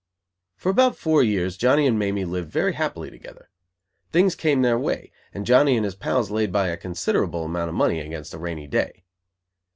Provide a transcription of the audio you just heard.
For about four years Johnny and Mamie lived very happily together. Things came their way; and Johnny and his pals laid by a considerable amount of money against a rainy day.